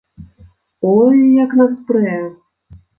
Ой, як нас прэ!